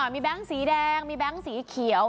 มีแบงค์สีแดงมีแบงค์สีเขียว